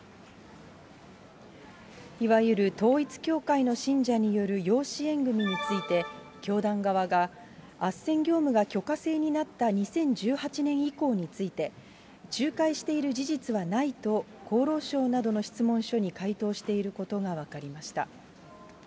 いわゆる統一教会の信者による養子縁組みについて、教団側が、あっせん業務が許可制になった２０１８年以降について、仲介している事実はないと、厚労省などの質問書に回答していることが分かりました。